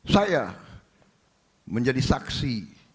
saya menjadi saksi